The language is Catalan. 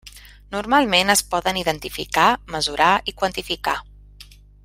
Normalment es poden identificar, mesurar i quantificar.